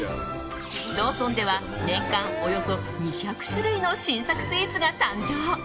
ローソンでは年間およそ２００種類の新作スイーツが誕生。